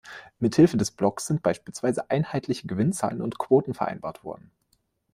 Mit Hilfe des Blocks sind beispielsweise einheitliche Gewinnzahlen und Quoten vereinbart worden.